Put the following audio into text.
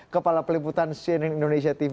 kepala peliputan cnn indonesia tv